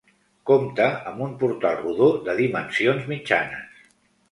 Compta amb un portal rodó de dimensions mitjanes.